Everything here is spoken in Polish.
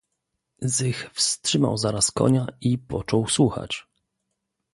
"Zych wstrzymał zaraz konia i począł słuchać."